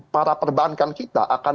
para perbankan kita akan